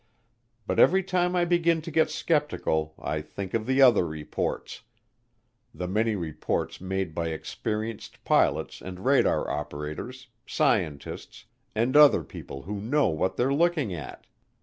But every time I begin to get skeptical I think of the other reports, the many reports made by experienced pilots and radar operators, scientists, and other people who know what they're looking at.